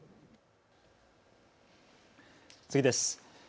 次です。